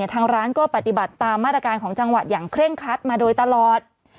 ทางร้านก็ปฏิบัติตามมาตรการของจังหวัดอย่างเคร่งคัดมาโดยตลอด